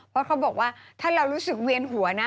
เพราะเขาบอกว่าถ้าเรารู้สึกเวียนหัวนะ